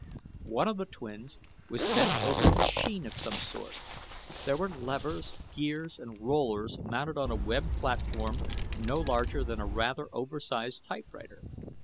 One of the twins was bent over a machine of some sort. There were levers, gears, and rollers mounted on a webbed platform no larger than a rather oversized typewriter.